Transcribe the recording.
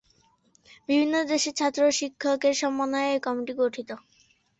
বিভিন্ন দেশের ছাত্র ও শিক্ষকের সমন্বয়ে এ কমিটি গঠিত।